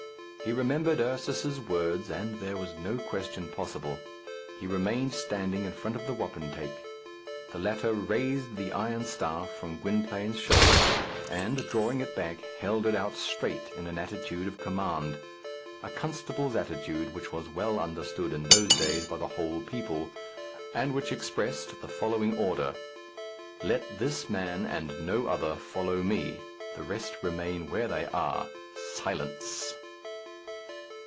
He remembered Ursus's words, and there was no question possible. He remained standing in front of the wapentake. The latter raised the iron staff from Gwynplaine's shoulder, and drawing it back, held it out straight in an attitude of command a constable's attitude which was well understood in those days by the whole people, and which expressed the following order: "Let this man, and no other, follow me. The rest remain where they are. Silence!"